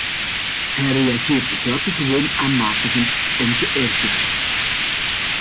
Hij reageerde buitengewoon aanmatigend en geërgerd.